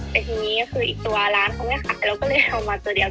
แต่ทีนี้คืออีกตัวร้านเขาไม่ขายเราก็เลยเอามาตัวเดียว